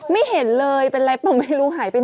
ไม่เห็นเลยเป็นไรเปล่าไม่รู้หายไปไหน